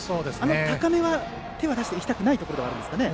高めは手を出していきたくないところですかね。